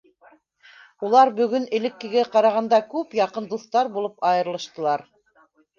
Улар бөгөн элеккегә ҡарағанда күп яҡын дуҫтар булып айырылыштылар.